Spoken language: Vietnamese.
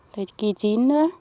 thời kỳ chín nữa